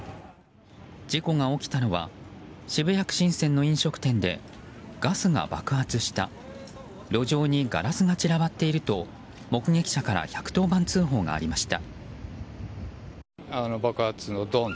事故が起きたのは渋谷区神泉の飲食店でガスが爆発した路上にガラスが散らばっていると目撃者から１１０番通報がありました。